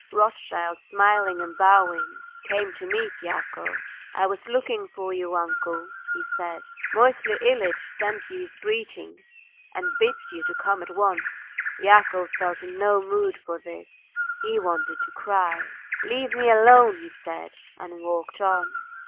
Rothschild, smiling and bowing, came to meet Yakov. "I was looking for you, uncle," he said. "Moisey Ilyitch sends you his greetings and bids you come to him at once." Yakov felt in no mood for this. He wanted to cry. "Leave me alone," he said, and walked on.